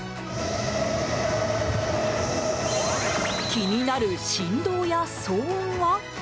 気になる振動や騒音は？